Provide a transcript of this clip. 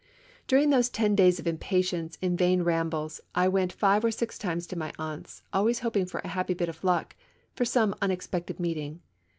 During those ten days of impatience and vain rambles, I went five or six times to my aunt's, always hoping for a happy bit of luck, for some unexpected meeting.